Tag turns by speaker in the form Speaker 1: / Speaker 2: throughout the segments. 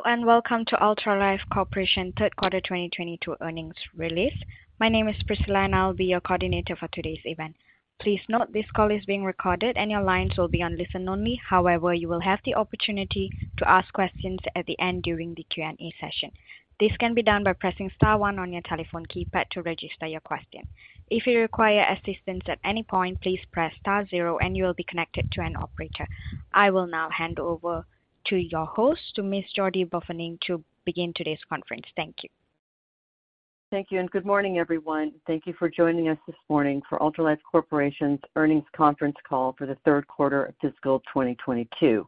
Speaker 1: Hello, and welcome to Ultralife Corporation third quarter 2022 earnings release. My name is Priscilla, and I'll be your coordinator for today's event. Please note, this call is being recorded, and your lines will be on listen only. However, you will have the opportunity to ask questions at the end during the Q&A session. This can be done by pressing star one on your telephone keypad to register your question. If you require assistance at any point, please press star zero and you will be connected to an operator. I will now hand over to your host, Ms. Jody Burfening, to begin today's conference. Thank you.
Speaker 2: Thank you, and good morning, everyone. Thank you for joining us this morning for Ultralife Corporation's earnings conference call for the third quarter of fiscal 2022.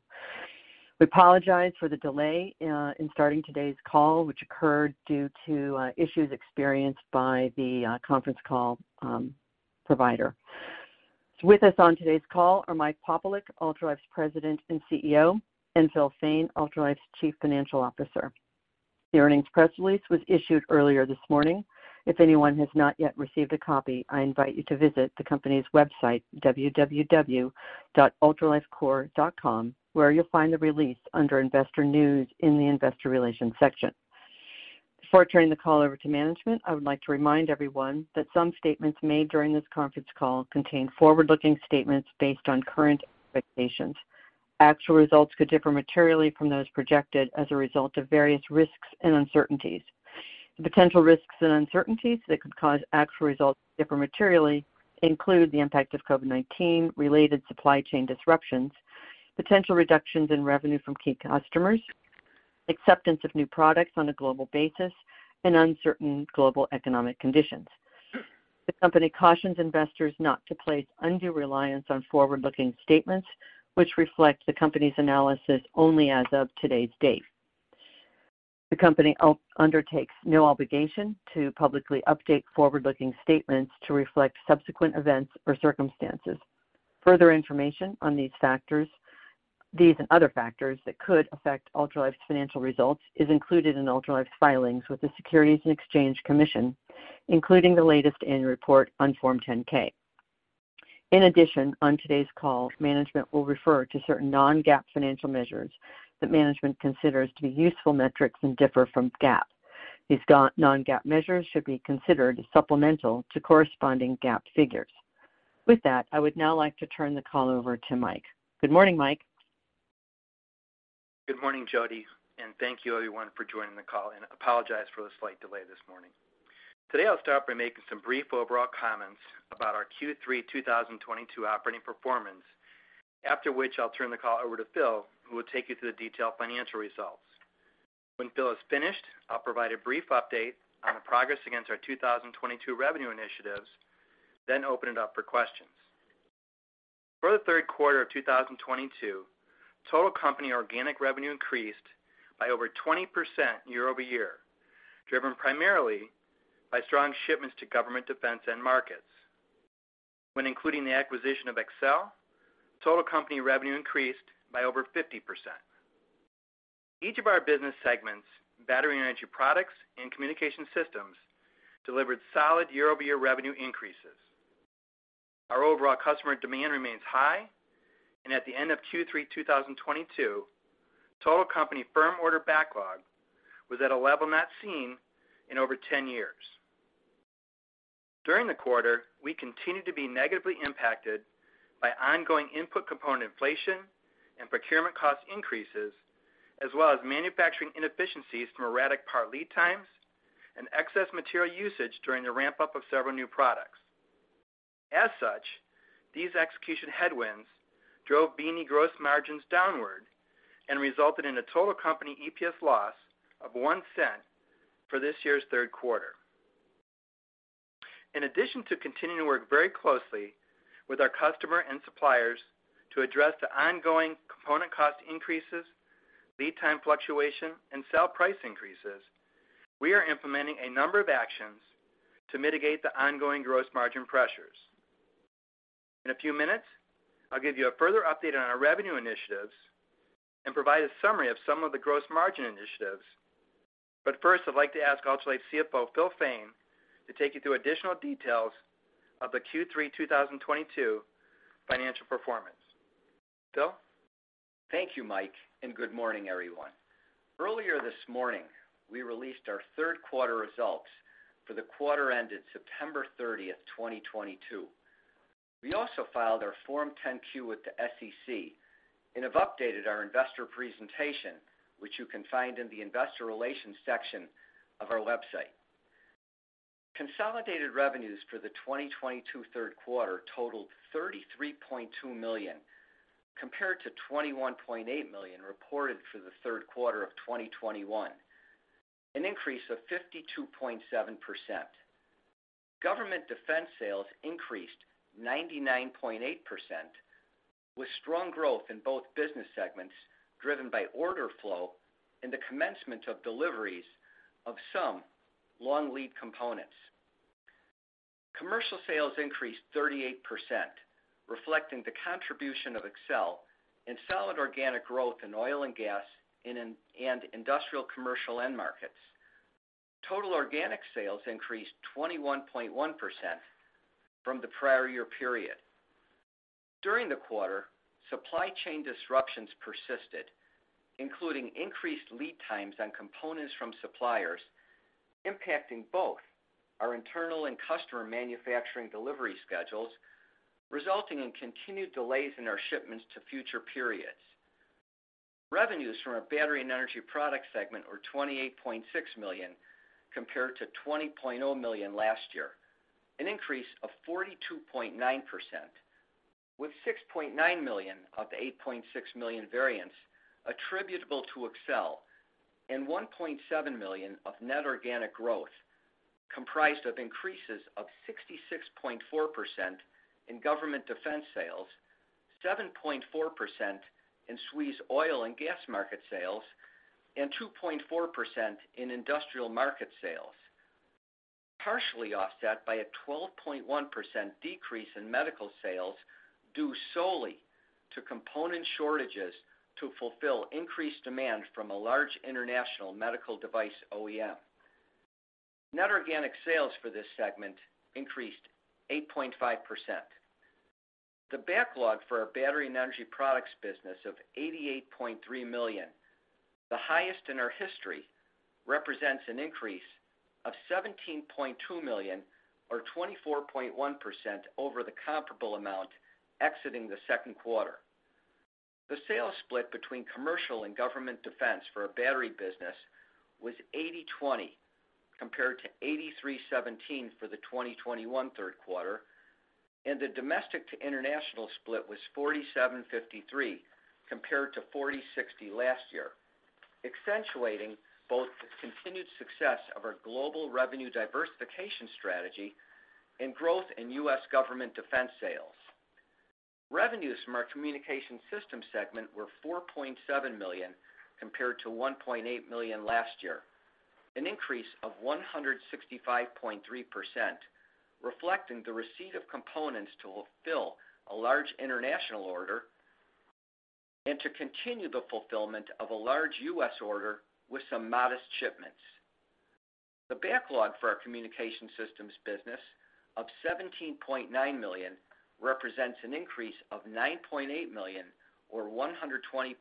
Speaker 2: We apologize for the delay in starting today's call, which occurred due to issues experienced by the conference call provider. With us on today's call are Michael Popielec, Ultralife's President and CEO, and Phil Fain, Ultralife's Chief Financial Officer. The earnings press release was issued earlier this morning. If anyone has not yet received a copy, I invite you to visit the company's website, www.ultralifecorp.com, where you'll find the release under Investor News in the Investor Relations section. Before turning the call over to management, I would like to remind everyone that some statements made during this conference call contain forward-looking statements based on current expectations. Actual results could differ materially from those projected as a result of various risks and uncertainties. The potential risks and uncertainties that could cause actual results to differ materially include the impact of COVID-19-related supply chain disruptions, potential reductions in revenue from key customers, acceptance of new products on a global basis, and uncertain global economic conditions. The company cautions investors not to place undue reliance on forward-looking statements, which reflect the company's analysis only as of today's date. The company undertakes no obligation to publicly update forward-looking statements to reflect subsequent events or circumstances. Further information on these and other factors that could affect Ultralife's financial results is included in Ultralife's filings with the Securities and Exchange Commission, including the latest annual report on Form 10-K. In addition, on today's call, management will refer to certain non-GAAP financial measures that management considers to be useful metrics and differ from GAAP. These non-GAAP measures should be considered supplemental to corresponding GAAP figures. With that, I would now like to turn the call over to Michael. Good morning, Michael.
Speaker 3: Good morning, Jody, and thank you everyone for joining the call, and apologize for the slight delay this morning. Today, I'll start by making some brief overall comments about our Q3 2022 operating performance. After which, I'll turn the call over to Phil, who will take you through the detailed financial results. When Phil is finished, I'll provide a brief update on the progress against our 2022 revenue initiatives, then open it up for questions. For the third quarter of 2022, total company organic revenue increased by over 20% year-over-year, driven primarily by strong shipments to government defense end markets. When including the acquisition of Excell, total company revenue increased by over 50%. Each of our business segments, Battery & Energy Products and Communication Systems, delivered solid year-over-year revenue increases. Our overall customer demand remains high, and at the end of Q3 2022, total company firm order backlog was at a level not seen in over 10 years. During the quarter, we continued to be negatively impacted by ongoing input component inflation and procurement cost increases, as well as manufacturing inefficiencies from erratic part lead times and excess material usage during the ramp-up of several new products. As such, these execution headwinds drove B&E gross margins downward and resulted in a total company EPS loss of $0.01 for this year's third quarter. In addition to continuing to work very closely with our customer and suppliers to address the ongoing component cost increases, lead time fluctuation, and selling price increases, we are implementing a number of actions to mitigate the ongoing gross margin pressures. In a few minutes, I'll give you a further update on our revenue initiatives and provide a summary of some of the gross margin initiatives. But first, I'd like to ask Ultralife CFO, Phil Fain, to take you through additional details of the Q3 2022 financial performance. Phil.
Speaker 4: Thank you, Michael, and good morning, everyone. Earlier this morning, we released our third quarter results for the quarter ended September 30, 2022. We also filed our Form 10-Q with the SEC and have updated our investor presentation, which you can find in the Investor Relations section of our website. Consolidated revenues for the 2022 third quarter totaled $33.2 million, compared to $21.8 million reported for the third quarter of 2021, an increase of 52.7%. Government defense sales increased 99.8%, with strong growth in both business segments, driven by order flow and the commencement of deliveries of some long lead components. Commercial sales increased 38%, reflecting the contribution of Excell and solid organic growth in oil and gas and industrial commercial end markets. Total organic sales increased 21.1% from the prior year period. During the quarter, supply chain disruptions persisted, including increased lead times on components from suppliers, impacting both our internal and customer manufacturing delivery schedules, resulting in continued delays in our shipments to future periods. Revenues from our Battery and Energy Products segment were $28.6 million compared to $20.0 million last year, an increase of 42.9%, with $6.9 million of the $8.6 million variance attributable to Excell and $1.7 million of net organic growth comprised of increases of 66.4% in government defense sales, 7.4% in SWE's oil and gas market sales, and 2.4% in industrial market sales, partially offset by a 12.1% decrease in medical sales due solely to component shortages to fulfill increased demand from a large international medical device OEM. Net organic sales for this segment increased 8.5%. The backlog for our battery and energy products business of $88.3 million, the highest in our history, represents an increase of $17.2 million or 24.1% over the comparable amount exiting the second quarter. The sales split between commercial and government defense for our battery business was 80/20 compared to 83/17 for the 2021 third quarter, and the domestic to international split was 47/53 compared to 40/60 last year, accentuating both the continued success of our global revenue diversification strategy and growth in U.S. government defense sales. Revenues from our communication system segment were $4.7 million compared to $1.8 million last year, an increase of 165.3%, reflecting the receipt of components to fulfill a large international order and to continue the fulfillment of a large U.S. order with some modest shipments. The backlog for our Communication Systems business of $17.9 million represents an increase of $9.8 million or 120.4%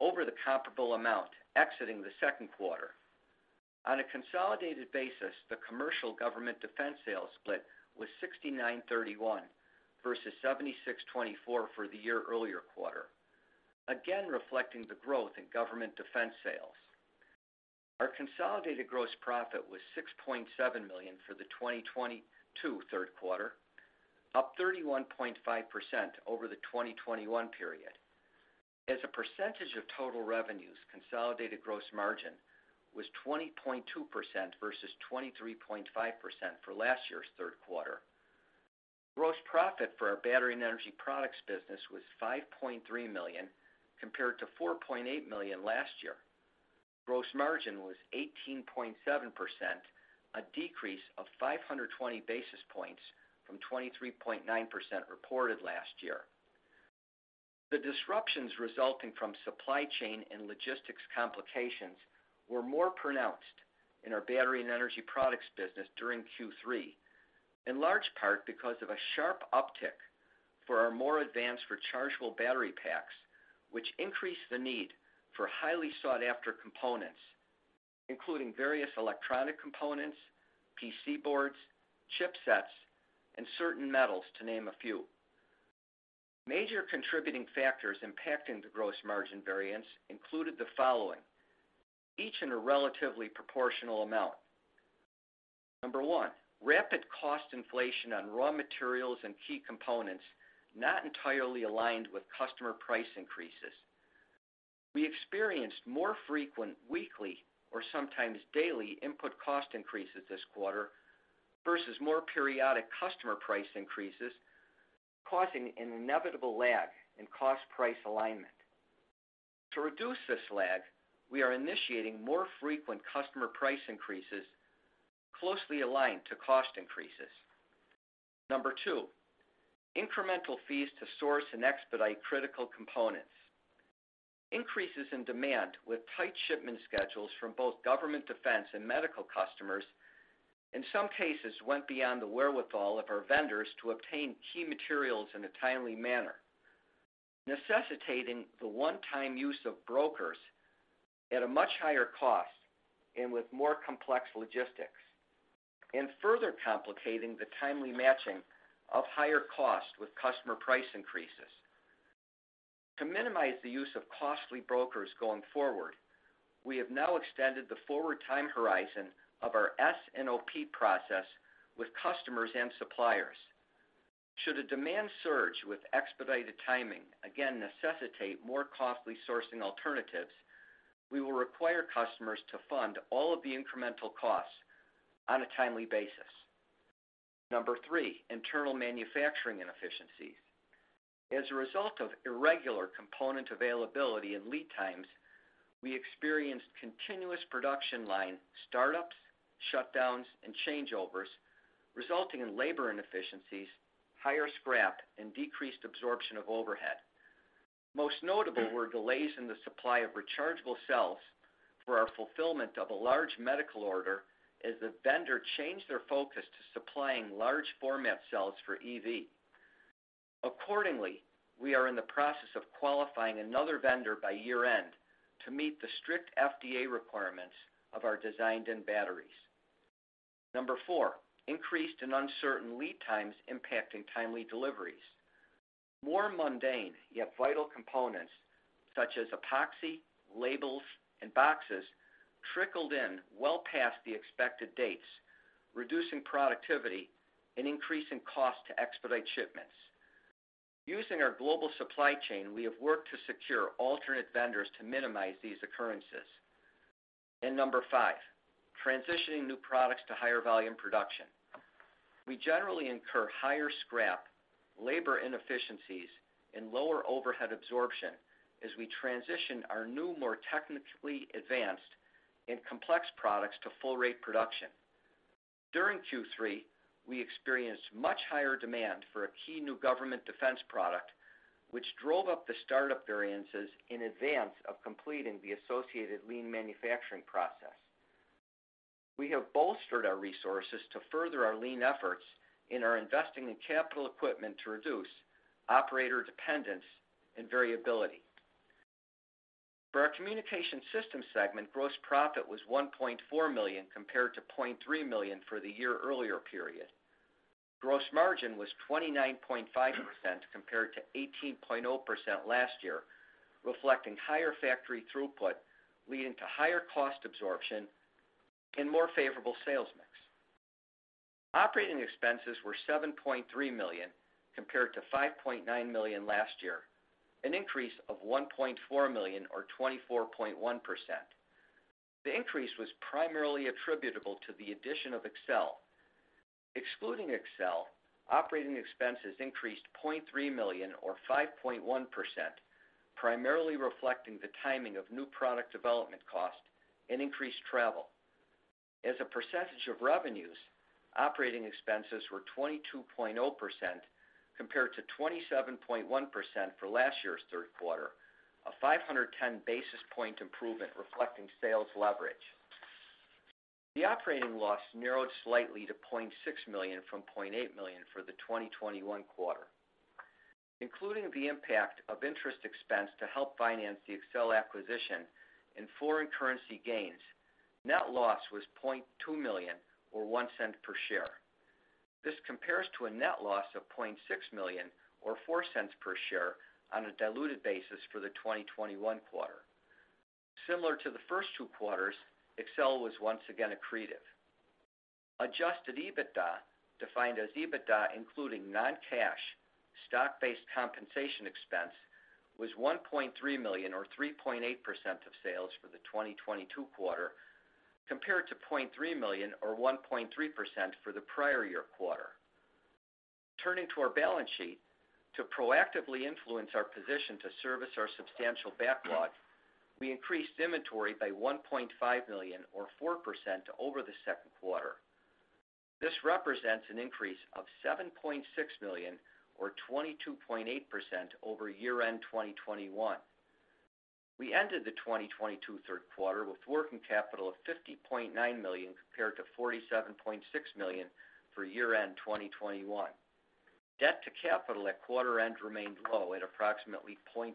Speaker 4: over the comparable amount exiting the second quarter. On a consolidated basis, the commercial government defense sales split was 69/31 versus 76/24 for the year earlier quarter, again reflecting the growth in government defense sales. Our consolidated gross profit was $6.7 million for the 2022 third quarter, up 31.5% over the 2021 period. As a percentage of total revenues, consolidated gross margin was 20.2% versus 23.5% for last year's third quarter. Gross profit for our Battery & Energy Products business was $5.3 million compared to $4.8 million last year. Gross margin was 18.7%, a decrease of 520 basis points from 23.9% reported last year. The disruptions resulting from supply chain and logistics complications were more pronounced in our battery and energy products business during Q3, in large part because of a sharp uptick for our more advanced rechargeable battery packs, which increased the need for highly sought-after components, including various electronic components, PC boards, chipsets, and certain metals, to name a few. Major contributing factors impacting the gross margin variance included the following, each in a relatively proportional amount. 1, rapid cost inflation on raw materials and key components not entirely aligned with customer price increases. We experienced more frequent weekly or sometimes daily input cost increases this quarter versus more periodic customer price increases, causing an inevitable lag in cost price alignment. To reduce this lag, we are initiating more frequent customer price increases closely aligned to cost increases. Number two, incremental fees to source and expedite critical components. Increases in demand with tight shipment schedules from both government and defense and medical customers in some cases went beyond the wherewithal of our vendors to obtain key materials in a timely manner, necessitating the one-time use of brokers at a much higher cost and with more complex logistics, and further complicating the timely matching of higher cost with customer price increases. To minimize the use of costly brokers going forward, we have now extended the forward time horizon of our S&OP process with customers and suppliers. Should a demand surge with expedited timing again necessitate more costly sourcing alternatives, we will require customers to fund all of the incremental costs on a timely basis. Number three, internal manufacturing inefficiencies. As a result of irregular component availability and lead times, we experienced continuous production line startups, shutdowns, and changeovers, resulting in labor inefficiencies, higher scrap, and decreased absorption of overhead. Most notable were delays in the supply of rechargeable cells for our fulfillment of a large medical order as the vendor changed their focus to supplying large format cells for EV. Accordingly, we are in the process of qualifying another vendor by year-end to meet the strict FDA requirements of our designed-in batteries. Number four, increased and uncertain lead times impacting timely deliveries. More mundane yet vital components such as epoxy, labels, and boxes trickled in well past the expected dates, reducing productivity and increasing cost to expedite shipments. Using our global supply chain, we have worked to secure alternate vendors to minimize these occurrences. Number five, transitioning new products to higher volume production. We generally incur higher scrap, labor inefficiencies, and lower overhead absorption as we transition our new, more technically advanced and complex products to full rate production. During Q3, we experienced much higher demand for a key new government defense product, which drove up the startup variances in advance of completing the associated lean manufacturing process. We have bolstered our resources to further our lean efforts and are investing in capital equipment to reduce operator dependence and variability. For our Communication Systems segment, gross profit was $1.4 million compared to $0.3 million for the year earlier period. Gross margin was 29.5% compared to 18.0% last year, reflecting higher factory throughput leading to higher cost absorption and more favorable sales mix. Operating expenses were $7.3 million compared to $5.9 million last year, an increase of $1.4 million or 24.1%. The increase was primarily attributable to the addition of Excell. Excluding Excell, operating expenses increased $0.3 million or 5.1%, primarily reflecting the timing of new product development cost and increased travel. As a percentage of revenues, operating expenses were 22.0% compared to 27.1% for last year's third quarter, a 510 basis point improvement reflecting sales leverage. The operating loss narrowed slightly to $0.6 million from $0.8 million for the 2021 quarter. Including the impact of interest expense to help finance the Excell acquisition and foreign currency gains, net loss was $0.2 million or $0.01 per share. This compares to a net loss of $0.6 million or $0.04 per share on a diluted basis for the 2021 quarter. Similar to the first two quarters, Excell was once again accretive. Adjusted EBITDA, defined as EBITDA including non-cash stock-based compensation expense, was $1.3 million or 3.8% of sales for the 2022 quarter compared to $0.3 million or 1.3% for the prior year quarter. Turning to our balance sheet, to proactively influence our position to service our substantial backlog, we increased inventory by $1.5 million or 4% over the second quarter. This represents an increase of $7.6 million or 22.8% over year-end 2021. We ended the 2022 third quarter with working capital of $50.9 million compared to $47.6 million for year-end 2021. Debt to capital at quarter end remained low at approximately 0.20.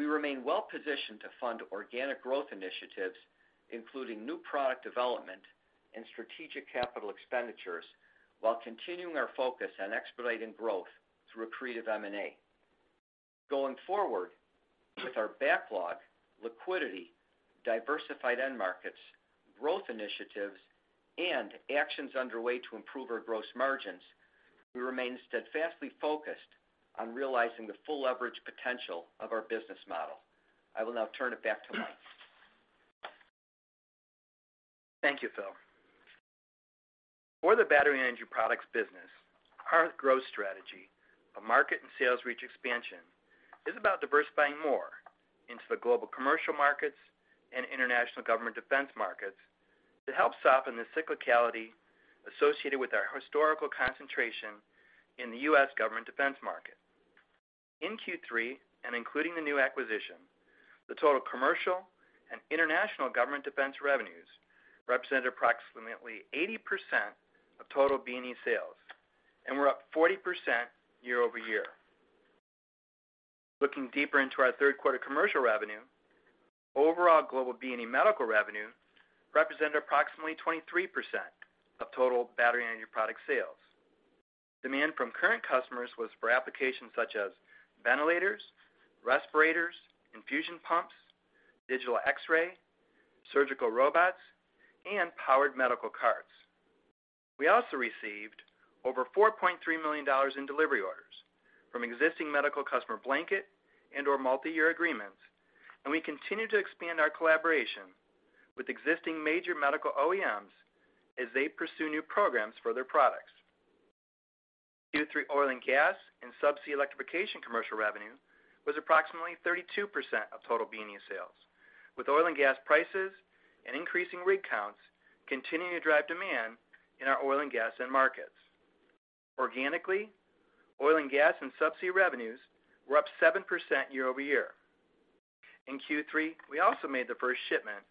Speaker 4: We remain well-positioned to fund organic growth initiatives, including new product development and strategic capital expenditures while continuing our focus on expediting growth through accretive M&A. Going forward with our backlog, liquidity, diversified end markets, growth initiatives, and actions underway to improve our gross margins, we remain steadfastly focused on realizing the full leverage potential of our business model. I will now turn it back to Michael.
Speaker 3: Thank you, Phil. For the battery energy products business, our growth strategy of market and sales reach expansion is about diversifying more into the global commercial markets and international government defense markets to help soften the cyclicality associated with our historical concentration in the U.S. government defense market. In Q3, and including the new acquisition, the total commercial and international government defense revenues represented approximately 80% of total B&E sales and were up 40% year-over-year. Looking deeper into our third quarter commercial revenue, overall global B&E medical revenue represented approximately 23% of total battery energy product sales. Demand from current customers was for applications such as ventilators, respirators, infusion pumps, digital X-ray, surgical robots, and powered medical carts. We also received over $4.3 million in delivery orders from existing medical customer blanket and/or multi-year agreements, and we continue to expand our collaboration with existing major medical OEMs as they pursue new programs for their products. Q3 oil and gas and subsea electrification commercial revenue was approximately 32% of total B&E sales. With oil and gas prices and increasing rig counts continuing to drive demand in our oil and gas end markets. Organically, oil and gas and subsea revenues were up 7% year-over-year. In Q3, we also made the first shipment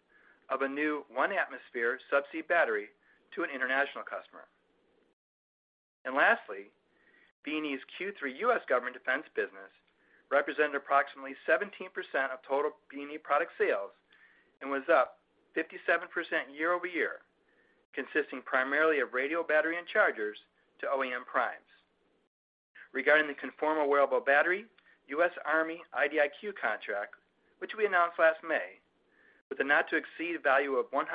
Speaker 3: of a new 1-atmosphere subsea battery to an international customer. Lastly, B&E's Q3 U.S. government defense business represented approximately 17% of total B&E product sales, and was up 57% year-over-year, consisting primarily of radio battery and chargers to OEM primes. Regarding the Conformal Wearable Battery U.S. Army IDIQ contract, which we announced last May, with a not to exceed value of $168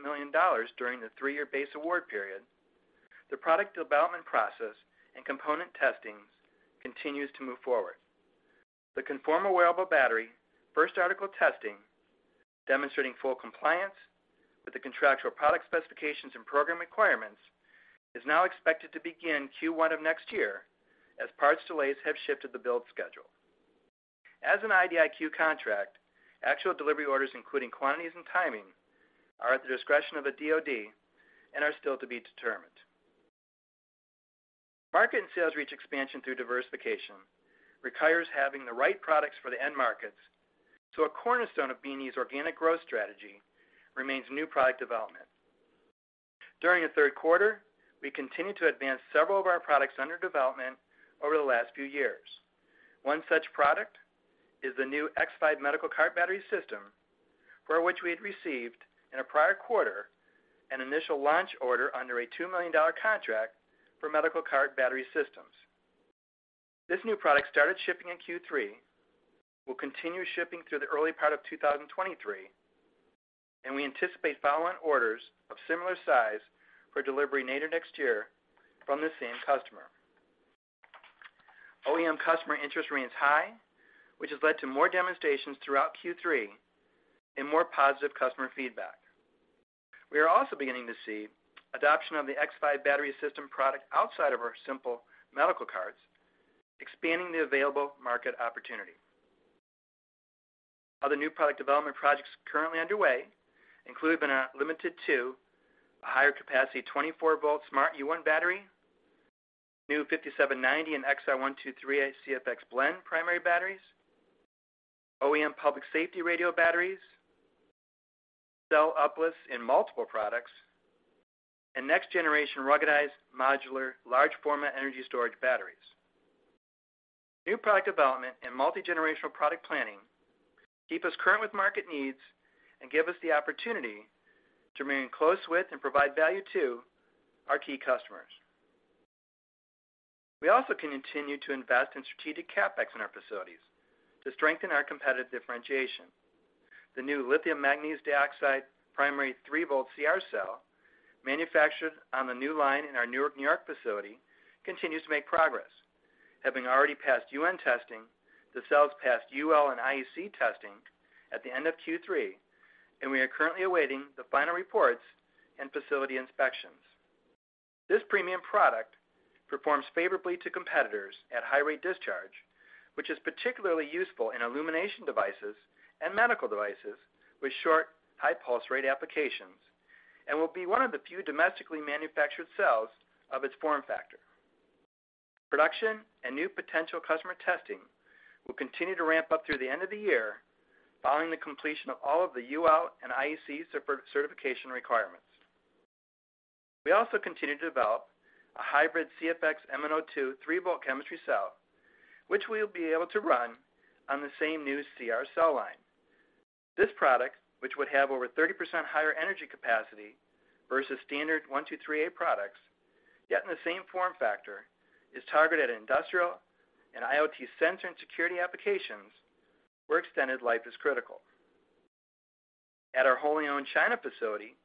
Speaker 3: million during the three-year base award period, the product development process and component testing continues to move forward. The Conformal Wearable Battery First Article Testing, demonstrating full compliance with the contractual product specifications and program requirements, is now expected to begin Q1 of next year as parts delays have shifted the build schedule. As an IDIQ contract, actual delivery orders, including quantities and timing, are at the discretion of the DoD and are still to be determined. Market and sales reach expansion through diversification requires having the right products for the end markets, so a cornerstone of B&E's organic growth strategy remains new product development. During the third quarter, we continued to advance several of our products under development over the last few years. One such product is the new X-Five medical cart battery system, for which we had received in a prior quarter an initial launch order under a $2 million contract for medical cart battery systems. This new product started shipping in Q3, will continue shipping through the early part of 2023, and we anticipate following orders of similar size for delivery later next year from the same customer. OEM customer interest remains high, which has led to more demonstrations throughout Q3 and more positive customer feedback. We are also beginning to see adoption of the X-Five battery system product outside of our simple medical carts, expanding the available market opportunity. Other new product development projects currently underway include but not limited to a higher capacity 24-volt Smart U1 battery, new BA-5790 and XR123A CFX blend primary batteries, OEM public safety radio batteries, cell uplifts in multiple products, and next generation ruggedized modular large format energy storage batteries. New product development and multi-generational product planning keep us current with market needs and give us the opportunity to remain in close with and provide value to our key customers. We also can continue to invest in strategic CapEx in our facilities to strengthen our competitive differentiation. The new Lithium Manganese Dioxide primary 3-volt CR cell, manufactured on the new line in our Newark, New York facility, continues to make progress. Having already passed UN testing, the cells passed UL and IEC testing at the end of Q3, and we are currently awaiting the final reports and facility inspections. This premium product performs favorably to competitors at high rate discharge, which is particularly useful in illumination devices and medical devices with short, high pulse rate applications, and will be one of the few domestically manufactured cells of its form factor. Production and new potential customer testing will continue to ramp up through the end of the year following the completion of all of the UL and IEC certification requirements. We also continue to develop a hybrid CFX MnO2 three volt chemistry cell, which we'll be able to run on the same new CR cell line. This product, which would have over 30% higher energy capacity versus standard 123A products, yet in the same form factor, is targeted at industrial and IoT sensor and security applications where extended life is critical. At our wholly owned China facility,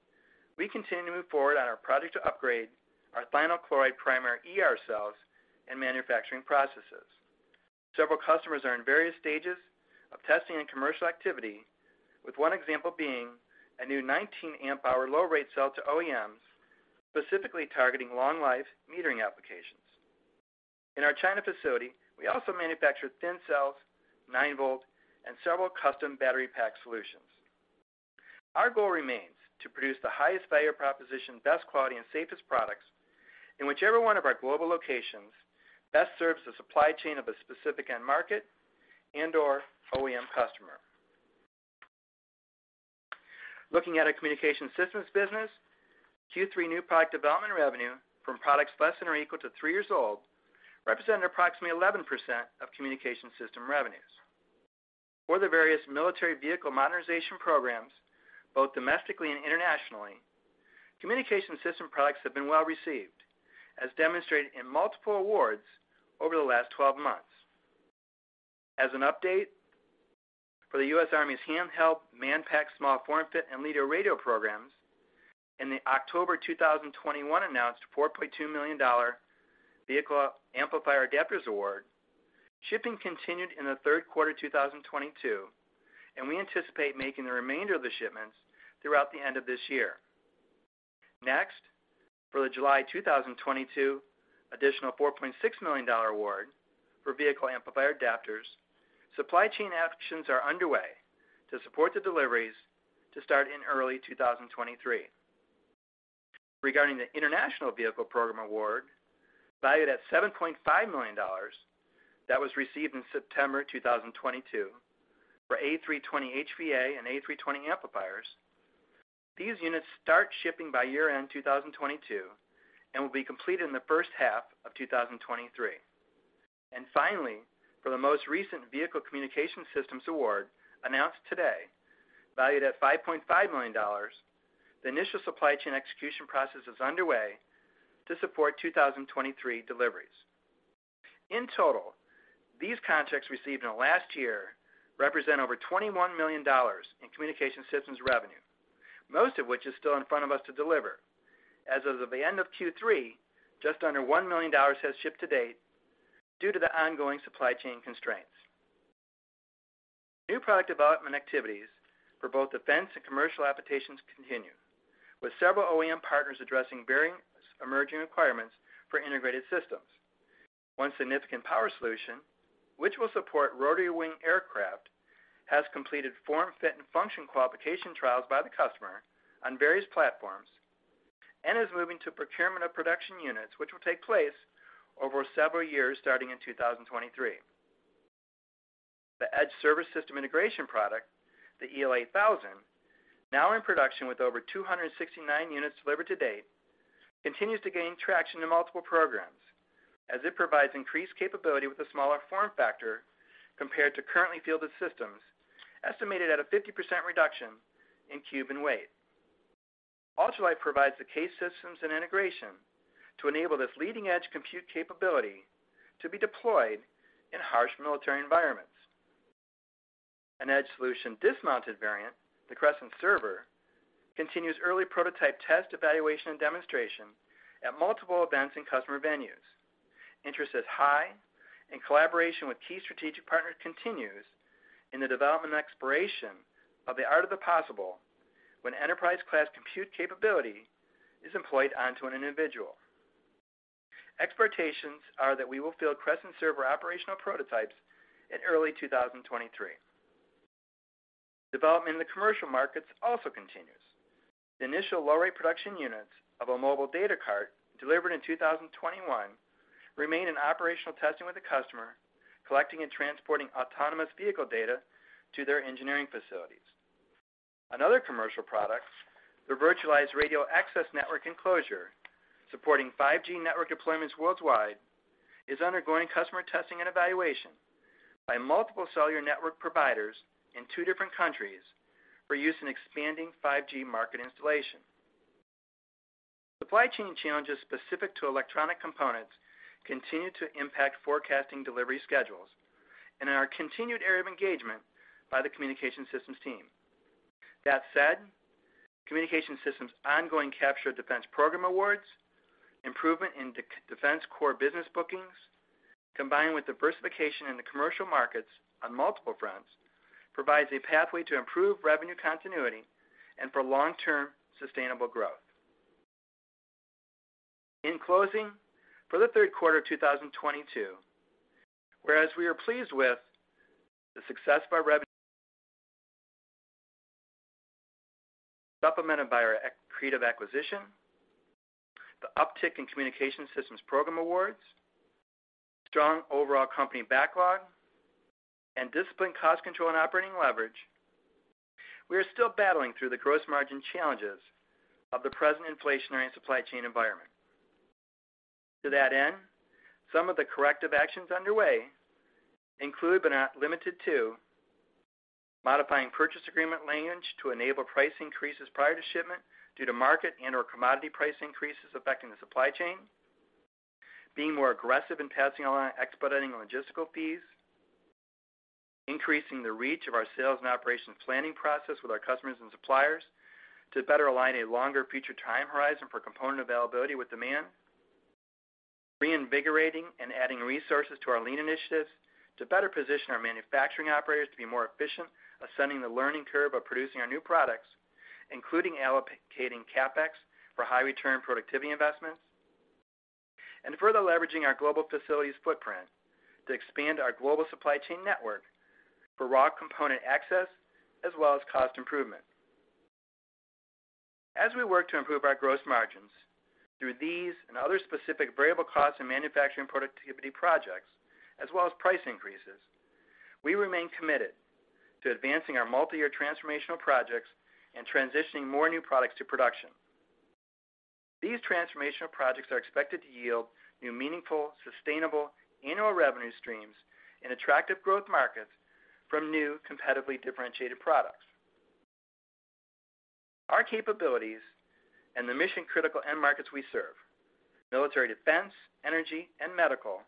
Speaker 3: we continue to move forward on our project to upgrade our thionyl chloride primary ER cells and manufacturing processes. Several customers are in various stages of testing and commercial activity, with one example being a new 19 amp hour low rate cell to OEMs, specifically targeting long life metering applications. In our China facility, we also manufacture Thin Cells, 9-Volt, and several custom battery pack solutions. Our goal remains to produce the highest value proposition, best quality, and safest products in whichever one of our global locations best serves the supply chain of a specific end market and/or OEM customer. Looking at our Communication Systems business, Q3 new product development revenue from products less than or equal to 3 years old represented approximately 11% of Communication Systems revenues. For the various military vehicle modernization programs, both domestically and internationally, Communication Systems products have been well received, as demonstrated in multiple awards over the last 12 months. As an update for the U.S. Army's handheld Manpack Small Form Fit and Leader Radio programs, in the October 2021 announced $4.2 million Vehicle Amplifier-Adapters award, shipping continued in the third quarter 2022, and we anticipate making the remainder of the shipments throughout the end of this year. Next, for the July 2022 additional $4.6 million award for Vehicle Amplifier-Adapters, supply chain actions are underway to support the deliveries to start in early 2023. Regarding the international vehicle program award, valued at $7.5 million that was received in September 2022 for A-320HVA and A-320 amplifiers. These units start shipping by year-end 2022 and will be completed in the first half of 2023. Finally, for the most recent vehicle communication systems award announced today, valued at $5.5 million, the initial supply chain execution process is underway to support 2023 deliveries. In total, these contracts received in the last year represent over $21 million in communication systems revenue, most of which is still in front of us to deliver. As of the end of Q3, just under $1 million has shipped to date due to the ongoing supply chain constraints. New product development activities for both defense and commercial applications continue, with several OEM partners addressing varying emerging requirements for integrated systems. One significant power solution, which will support rotary wing aircraft, has completed form, fit, and function qualification trials by the customer on various platforms and is moving to procurement of production units, which will take place over several years, starting in 2023. The Edge Service System Integration product, the EL8000, now in production with over 269 units delivered to date, continues to gain traction in multiple programs as it provides increased capability with a smaller form factor compared to currently fielded systems, estimated at a 50% reduction in cube and weight. Ultralife provides the case systems and integration to enable this leading-edge compute capability to be deployed in harsh military environments. An Edge solution dismounted variant, the CREST Server, continues early prototype test evaluation and demonstration at multiple events and customer venues. Interest is high, and collaboration with key strategic partners continues in the development and exploration of the art of the possible when enterprise-class compute capability is employed onto an individual. Expectations are that we will field CREST Server operational prototypes in early 2023. Development in the commercial markets also continues. The initial low-rate production units of a mobile data cart delivered in 2021 remain in operational testing with the customer, collecting and transporting autonomous vehicle data to their engineering facilities. Another commercial product, the Virtualized Radio Access Network Enclosure, supporting 5G network deployments worldwide, is undergoing customer testing and evaluation by multiple cellular network providers in two different countries for use in expanding 5G market installation. Supply chain challenges specific to electronic components continue to impact forecasting delivery schedules and are a continued area of engagement by the Communication Systems team. That said, Communication Systems' ongoing capture of defense program awards, improvement in defense and commercial business bookings, combined with diversification in the commercial markets on multiple fronts, provides a pathway to improved revenue continuity and for long-term sustainable growth. In closing, for the third quarter of 2022, whereas we are pleased with the success of our revenue, supplemented by our accretive acquisition, the uptick in Communication Systems program awards, strong overall company backlog, and disciplined cost control and operating leverage, we are still battling through the gross margin challenges of the present inflationary and supply chain environment. To that end, some of the corrective actions underway include, but not limited to, modifying purchase agreement language to enable price increases prior to shipment due to market and/or commodity price increases affecting the supply chain. Being more aggressive in passing along and expediting logistical fees. Increasing the reach of our sales and operations planning process with our customers and suppliers to better align a longer future time horizon for component availability with demand. Reinvigorating and adding resources to our lean initiatives to better position our manufacturing operators to be more efficient, ascending the learning curve of producing our new products, including allocating CapEx for high-return productivity investments. Further leveraging our global facilities footprint to expand our global supply chain network for raw component access as well as cost improvement. As we work to improve our gross margins through these and other specific variable cost and manufacturing productivity projects, as well as price increases, we remain committed to advancing our multiyear transformational projects and transitioning more new products to production. These transformational projects are expected to yield new, meaningful, sustainable annual revenue streams in attractive growth markets from new competitively differentiated products. Our capabilities and the mission-critical end markets we serve, military defense, energy, and medical,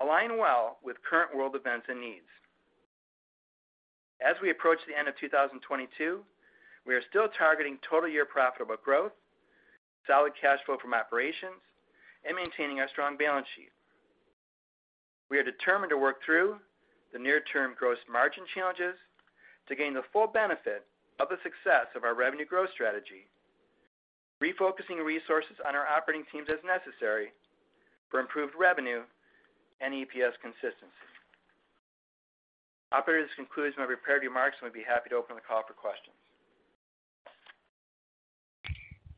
Speaker 3: align well with current world events and needs. As we approach the end of 2022, we are still targeting total year profitable growth, solid cash flow from operations, and maintaining our strong balance sheet. We are determined to work through the near term gross margin challenges to gain the full benefit of the success of our revenue growth strategy, refocusing resources on our operating teams as necessary for improved revenue and EPS consistency. Operator, this concludes my prepared remarks, and we'd be happy to open the call for questions.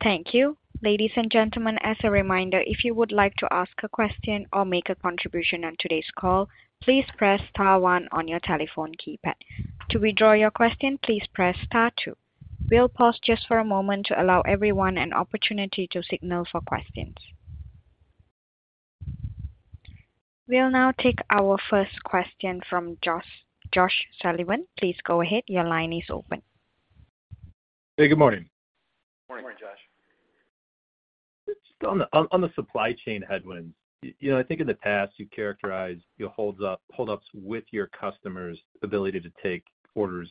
Speaker 1: Thank you. Ladies and gentlemen, as a reminder, if you would like to ask a question or make a contribution on today's call, please press star one on your telephone keypad. To withdraw your question, please press star two. We'll pause just for a moment to allow everyone an opportunity to signal for questions. We'll now take our first question from Josh Sullivan. Please go ahead. Your line is open.
Speaker 5: Hey, good morning.
Speaker 4: Morning. Good morning, Josh.
Speaker 5: Just on the supply chain headwinds. You know, I think in the past, you characterized your hold ups with your customers' ability to take orders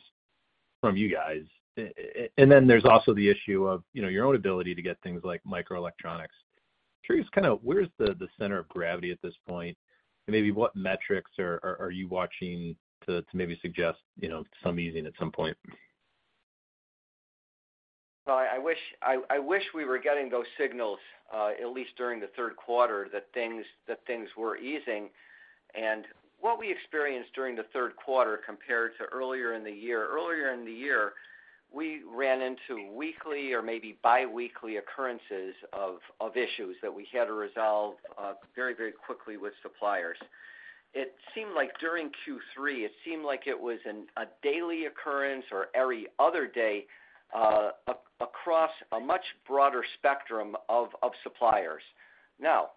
Speaker 5: from you guys. And then there's also the issue of, you know, your own ability to get things like microelectronics. Curious kind of where's the center of gravity at this point? And maybe what metrics are you watching to maybe suggest, you know, some easing at some point?
Speaker 4: No, I wish we were getting those signals at least during the third quarter that things were easing. What we experienced during the third quarter compared to earlier in the year, we ran into weekly or maybe biweekly occurrences of issues that we had to resolve very quickly with suppliers. It seemed like during Q3, it seemed like it was a daily occurrence or every other day across a much broader spectrum of suppliers. Now,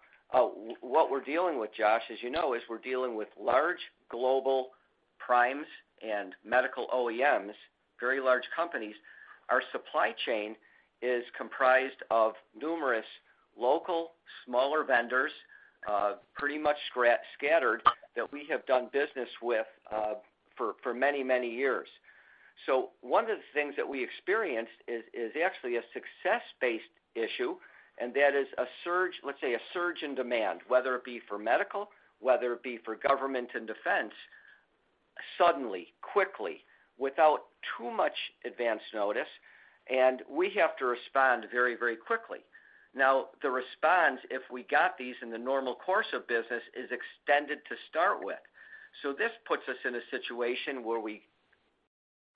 Speaker 4: what we're dealing with, Josh, as you know, is we're dealing with large global primes and medical OEMs, very large companies. Our supply chain is comprised of numerous local, smaller vendors, pretty much scattered that we have done business with for many years. One of the things that we experienced is actually a success-based issue, and that is a surge, let's say, a surge in demand, whether it be for medical, whether it be for government and defense, suddenly, quickly, without too much advance notice, and we have to respond very, very quickly. Now, the response, if we got these in the normal course of business, is extended to start with. This puts us in a situation where we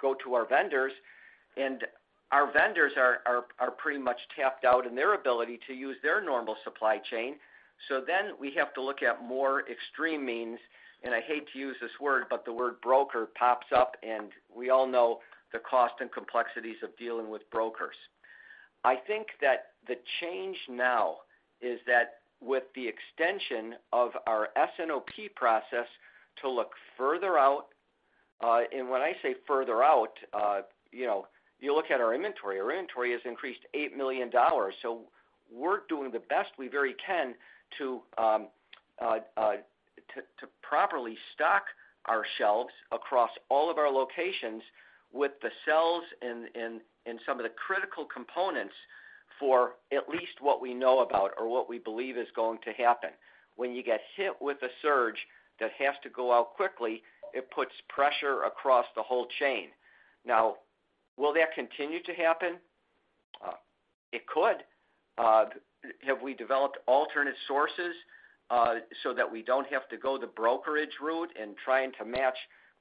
Speaker 4: go to our vendors, and our vendors are pretty much tapped out in their ability to use their normal supply chain. Then we have to look at more extreme means, and I hate to use this word, but the word broker pops up, and we all know the cost and complexities of dealing with brokers. I think that the change now is that with the extension of our S&OP process to look further out, and when I say further out, you know, you look at our inventory. Our inventory has increased $8 million. We're doing the best we very can to properly stock our shelves across all of our locations with the cells and some of the critical components for at least what we know about or what we believe is going to happen. When you get hit with a surge that has to go out quickly, it puts pressure across the whole chain. Now, will that continue to happen? It could. Have we developed alternate sources, so that we don't have to go the brokerage route and trying to match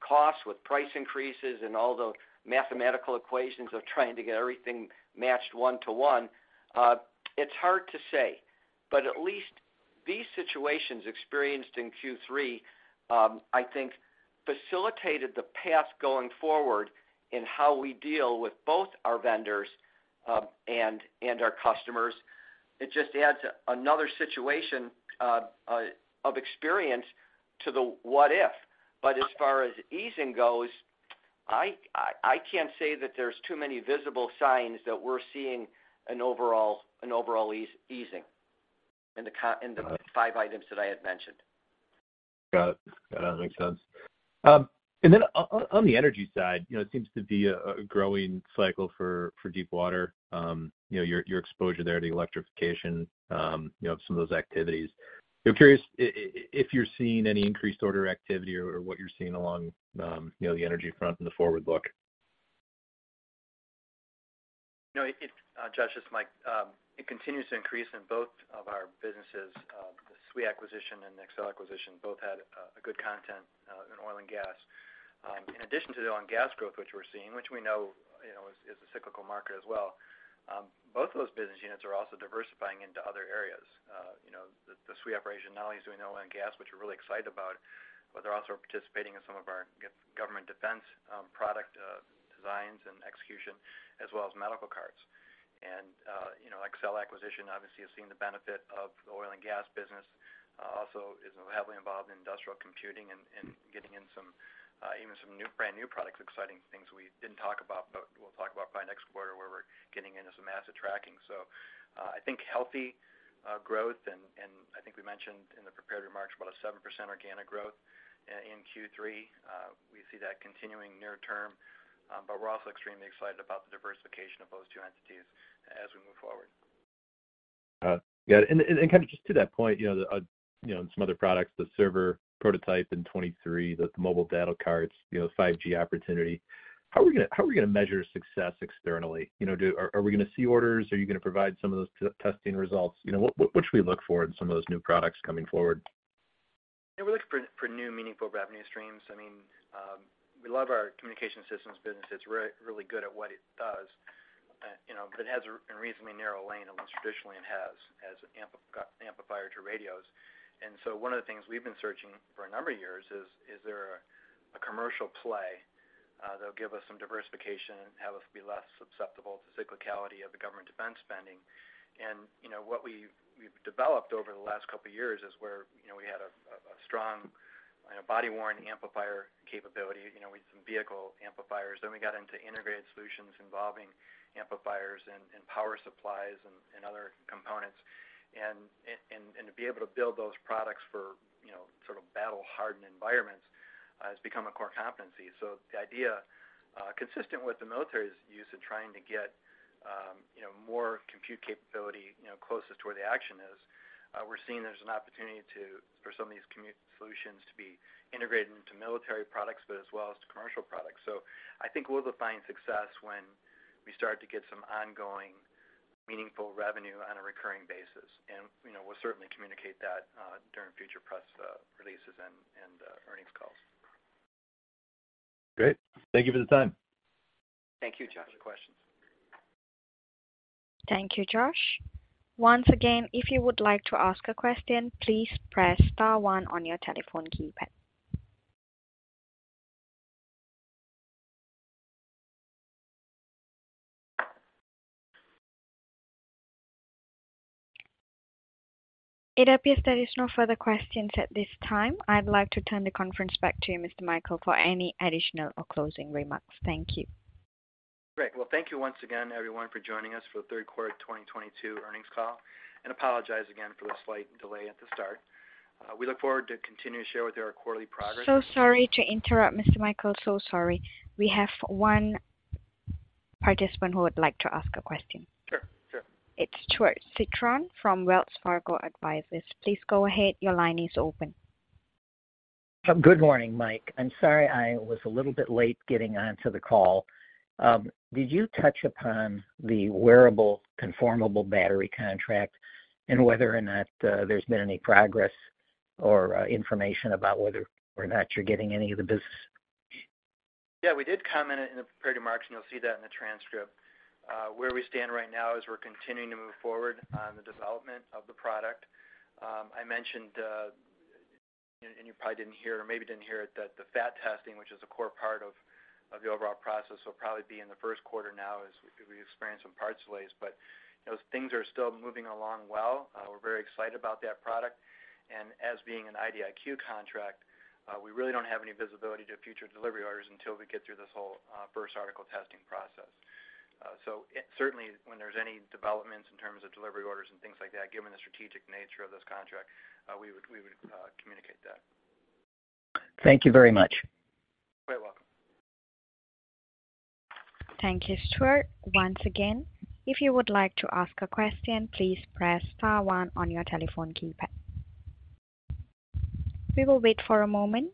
Speaker 4: costs with price increases and all the mathematical equations of trying to get everything matched one to one? It's hard to say, but at least these situations experienced in Q3, I think facilitated the path going forward in how we deal with both our vendors and our customers. It just adds another situation of experience to the what if. As far as easing goes, I can't say that there's too many visible signs that we're seeing an overall easing in the five items that I had mentioned.
Speaker 5: Got it. Makes sense. On the energy side, you know, it seems to be a growing cycle for deep water. You know, your exposure there to electrification, you know, of some of those activities. I'm curious if you're seeing any increased order activity or what you're seeing along, you know, the energy front in the forward look.
Speaker 3: No, Josh, it's Michael. It continues to increase in both of our businesses. The SWE acquisition and the Excell acquisition both had a good content in oil and gas. In addition to the oil and gas growth which we're seeing, which we know, you know, is a cyclical market as well, both of those business units are also diversifying into other areas. You know, the SWE operation not only is doing oil and gas, which we're really excited about, but they're also participating in some of our government defense product designs and execution, as well as medical carts. You know, Excell acquisition obviously has seen the benefit of the oil and gas business, also is heavily involved in industrial computing and getting in some even some new brand new products, exciting things we didn't talk about, but we'll talk about by next quarter, where we're getting into asset tracking. I think healthy growth and I think we mentioned in the prepared remarks about a 7% organic growth in Q3. We see that continuing near term, but we're also extremely excited about the diversification of those two entities as we move forward.
Speaker 5: Yeah, kind of just to that point, you know, the server prototype in 2023, the mobile data cards, you know, 5G opportunity. How are we gonna measure success externally? You know, are we gonna see orders? Are you gonna provide some of those testing results? You know, what should we look for in some of those new products coming forward?
Speaker 3: Yeah, we're looking for new meaningful revenue streams. I mean, we love our Communication Systems business. It's really good at what it does. You know, but it has a reasonably narrow lane, at least traditionally, it has amplifier to radios. One of the things we've been searching for a number of years is there a commercial play that'll give us some diversification and have us be less susceptible to cyclicality of the government defense spending. You know, what we've developed over the last couple of years is where we had a strong body-worn amplifier capability. You know, we had some vehicle amplifiers. Then we got into integrated solutions involving amplifiers and power supplies and other components. To be able to build those products for, you know, sort of battle-hardened environments, has become a core competency. The idea, consistent with the military's use in trying to get, you know, more compute capability, you know, closest to where the action is, we're seeing there's an opportunity to, for some of these compute solutions to be integrated into military products, but as well as to commercial products. I think we'll define success when we start to get some ongoing, meaningful revenue on a recurring basis. We'll certainly communicate that, during future press releases and earnings calls.
Speaker 5: Great. Thank you for the time.
Speaker 3: Thank you, Josh. For the questions.
Speaker 1: Thank you, Josh. Once again, if you would like to ask a question, please press star one on your telephone keypad. It appears there is no further questions at this time. I'd like to turn the conference back to you, Mr. Michael, for any additional or closing remarks. Thank you.
Speaker 3: Great. Well, thank you once again, everyone, for joining us for the third quarter of 2022 earnings call. Apologize again for the slight delay at the start. We look forward to continuing to share with you our quarterly progress.
Speaker 1: Sorry to interrupt, Mr. Michael. Sorry. We have one participant who would like to ask a question.
Speaker 3: Sure. Sure.
Speaker 1: It's Stuart Citron from Wells Fargo Advisors. Please go ahead. Your line is open.
Speaker 6: Good morning, Michael. I'm sorry I was a little bit late getting onto the call. Did you touch upon the Conformal Wearable Battery contract and whether or not there's been any progress or information about whether or not you're getting any of the business?
Speaker 3: Yeah, we did comment in the prepared remarks, and you'll see that in the transcript. Where we stand right now is we're continuing to move forward on the development of the product. I mentioned, and you probably didn't hear or maybe didn't hear it, that the FAT testing, which is a core part of the overall process, will probably be in the first quarter now as we experience some parts delays. Those things are still moving along well. We're very excited about that product. As being an IDIQ contract, we really don't have any visibility to future delivery orders until we get through this whole first article testing process. Certainly, when there's any developments in terms of delivery orders and things like that, given the strategic nature of this contract, we would communicate that.
Speaker 6: Thank you very much.
Speaker 3: You're welcome.
Speaker 1: Thank you, Stuart. Once again, if you would like to ask a question, please press star one on your telephone keypad. We will wait for a moment.